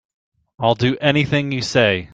I'll do anything you say.